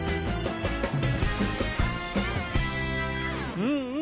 うんうん。